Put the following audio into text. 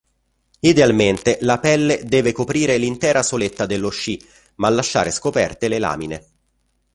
Idealmente, la pelle deve coprire l'intera soletta dello sci, ma lasciare scoperte le lamine.